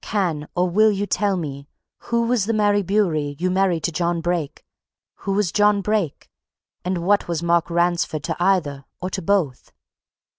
can or will you tell me who was the Mary Bewery you married to John Brake? Who was John Brake? And what was Mark Ransford to either, or to both?"